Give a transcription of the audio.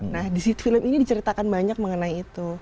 nah di film ini diceritakan banyak mengenai itu